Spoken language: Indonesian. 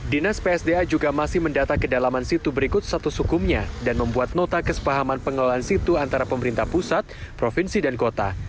dinas psda juga masih mendata kedalaman situ berikut status hukumnya dan membuat nota kesepahaman pengelolaan situ antara pemerintah pusat provinsi dan kota